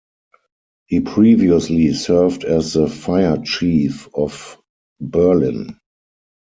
He previously served as the Fire Chief of Berlin.